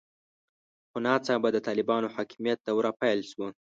خو ناڅاپه د طالبانو حاکمیت دوره پیل شوه.